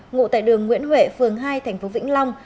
ngụ tại đường nguyễn huệ phường hai thành phố vĩnh long